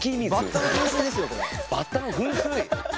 バッタの噴水？